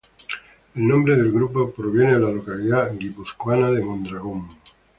El nombre del grupo proviene de la localidad guipuzcoana de Mondragón.